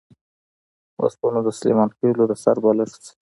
اوس به نو د سلیمان خېلو د سر بالښت شي.